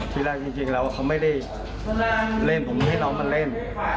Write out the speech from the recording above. ที่แรกจริงแล้วเขาไม่ได้เล่นผมให้น้องมาเล่น